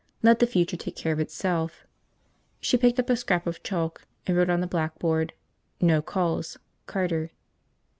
Let the future take care of itself. She picked up a scrap of chalk and wrote on the blackboard, "No calls. Carter."